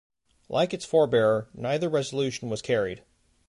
Like its forebear, neither resolution was carried.